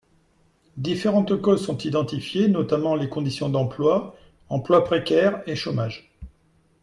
Différentes causes sont identifiées, notamment les conditions d’emploi, emploi précaire et chômage.